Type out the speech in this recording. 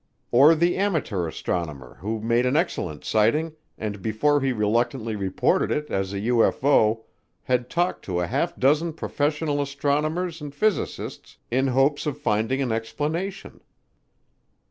Or the amateur astronomer who made an excellent sighting and before he reluctantly reported it as a UFO had talked to a half dozen professional astronomers and physicists in hopes of finding an explanation.